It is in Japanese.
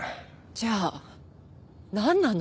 じゃあなんなの？